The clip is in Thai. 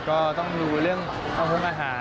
ก็ต้องรู้เรื่องความคุ้มอาหาร